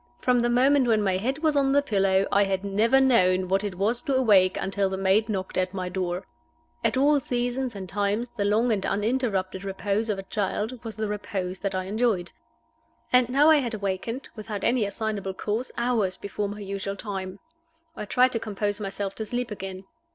From the moment when my head was on the pillow I had never known what it was to awake until the maid knocked at my door. At all seasons and times the long and uninterrupted repose of a child was the repose that I enjoyed. And now I had awakened, without any assignable cause, hours before my usual time. I tried to compose myself to sleep again.